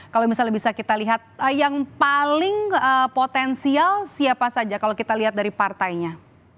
kalau misalnya bisa kita lihat yang paling potensial siapa saja kalau kita lihat dari partainya